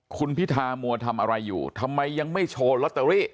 คุณพิธามัวทำอะไรอยู่ทำไมยังไม่โชว์ลอตเตอรี่